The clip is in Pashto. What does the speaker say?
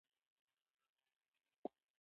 ده له انګلیسیانو وغوښتل روهیله په سزا ورسوي.